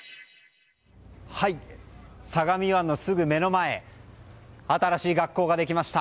相模湾のすぐ目の前新しい学校ができました。